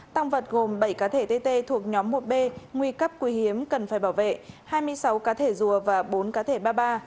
tăng vật gồm bảy cá thể tt thuộc nhóm một b nguy cấp quý hiếm cần phải bảo vệ hai mươi sáu cá thể rùa và bốn cá thể ba mươi ba